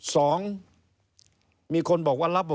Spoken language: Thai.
สองมีคนบอกว่า